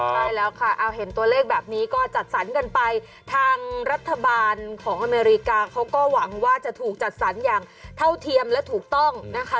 ใช่แล้วค่ะเอาเห็นตัวเลขแบบนี้ก็จัดสรรกันไปทางรัฐบาลของอเมริกาเขาก็หวังว่าจะถูกจัดสรรอย่างเท่าเทียมและถูกต้องนะคะ